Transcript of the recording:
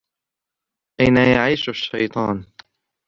أين يعيش الشّيطان؟